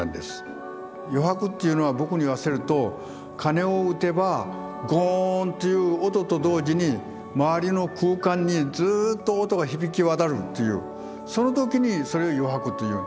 余白っていうのは僕に言わせると鐘を打てばゴーンという音と同時に周りの空間にずっと音が響き渡るっていうその時にそれを余白と言う。